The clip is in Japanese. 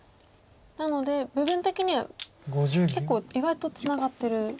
なので部分的には結構意外とツナがってる。